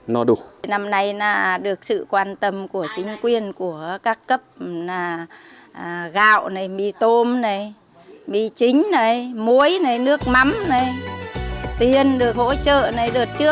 ngày xưa cũng như bây giờ